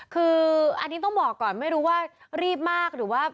คืออันนี้ต้องบอกก่อนไม่รู้ว่ารีบมากหรือว่า